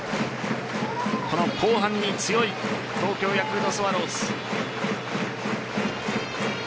この後半に強い東京ヤクルトスワローズ。